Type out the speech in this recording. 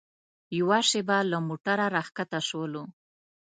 یوه شېبه له موټره راښکته شولو.